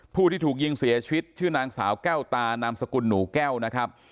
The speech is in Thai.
ผู้ที่ถูกยิงเสียชีวิตชื่อนางสาวแก้วตานามสกุลหนูแก้วนะครับ